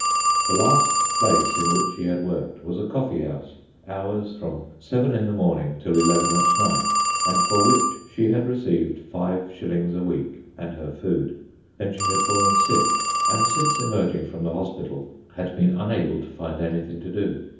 The last place in which she had worked was a coffee house, hours from seven in the morning till eleven at night, and for which she had received five shillings a week and her food. Then she had fallen sick, and since emerging from the hospital had been unable to find anything to do.